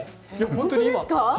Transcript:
本当ですか？